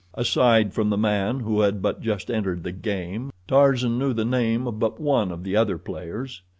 Aside from the man who had but just entered the game Tarzan knew the name of but one of the other players.